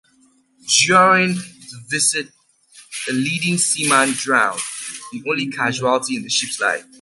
During the visit, a leading seaman drowned; the only casualty in the ship's life.